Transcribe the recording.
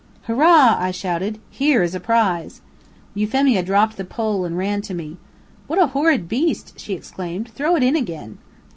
"Hurrah!" I shouted, "here is a prize." Euphemia dropped the pole, and ran to me. "What a horrid beast!" she exclaimed. "Throw it in again."